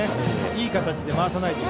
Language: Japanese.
いい形で回さないと。